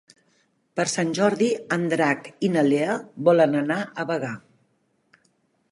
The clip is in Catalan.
Per Sant Jordi en Drac i na Lea volen anar a Bagà.